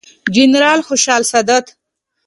جنرال خوشحال سادات،